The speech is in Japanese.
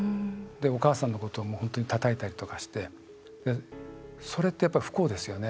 お母さんのことをもう本当に、たたいたりとかしてそれってやっぱり不幸ですよね。